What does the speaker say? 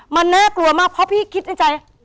มันน่ากลัวมากเพราะพี่คิดในใจ